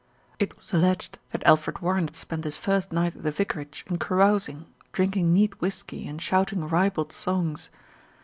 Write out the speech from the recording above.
It was alleged that Alfred Warren had spent his first night at the vicarage in carousing, drinking neat whisky, and shouting ribald songs.